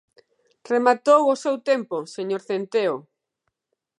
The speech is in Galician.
Rematou o seu tempo, señor Centeo.